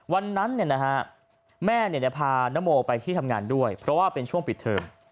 วันนั้นแม่พานโมไปที่ทำงานด้วยเพราะว่าเป็นช่วงปิดเทอม